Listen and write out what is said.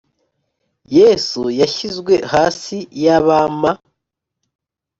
Yesu washyizwe hasi y abama